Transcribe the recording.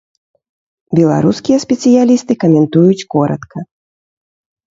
Беларускія спецыялісты каментуюць коратка.